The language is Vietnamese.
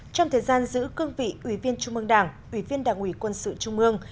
trong thời gian giữ cương vị ủy viên trung mương đảng ủy viên đảng ủy quân sự trung mương